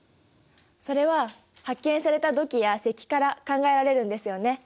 それは発見された土器や石器から考えられるんですよね？